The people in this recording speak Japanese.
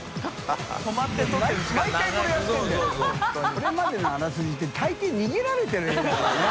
これまでのあらすじ」って大抵逃げられてる絵だからな。